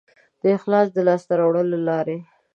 د اخلاص د لاسته راوړلو لارې